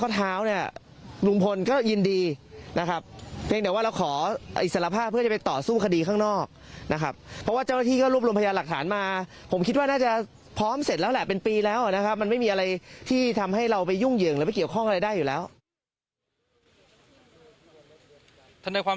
ซึ่งลุงพลก็ยินดีที่จะสวมกำไรอีเอ็มหากได้รับอิสระภาพและได้ถูกปล่อยตัวในวันนี้ครับ